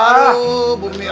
aduh bumi abdi